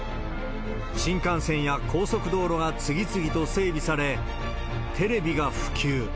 新幹線や高速道路が次々と整備され、テレビが普及。